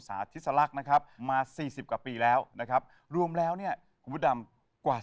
สาธิสลักษณ์นะครับมา๔๐กว่าปีแล้วนะครับรวมแล้วเนี่ยกว่า